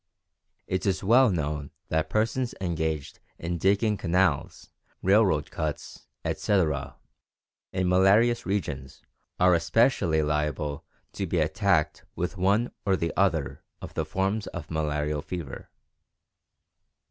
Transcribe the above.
It is well known that persons engaged in digging canals, railroad cuts, etc., in malarious regions are especially liable to be attacked with one or the other of the forms of malarial fever.